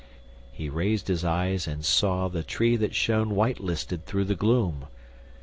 He raised his eyes and saw The tree that shone white listed through the gloom.